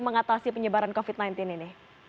mengatasi penyebaran covid sembilan belas ini